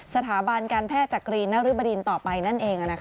สถาบันการแพทย์จักรีนริบดินต่อไปนั่นเอง